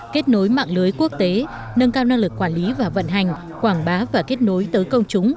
kết nối mạng lưới quốc tế nâng cao năng lực quản lý và vận hành quảng bá và kết nối tới công chúng